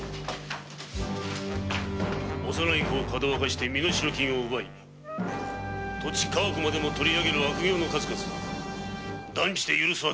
幼い子をかどわかして身代金を奪い土地家屋まで取り上げる悪行の数々断じて許す訳にはいかん。